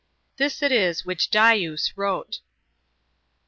This it is which Dius wrote.